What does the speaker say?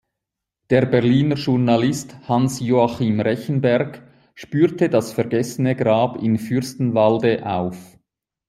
Der Berliner Journalist Hans-Joachim Rechenberg spürte das vergessene Grab in Fürstenwalde auf.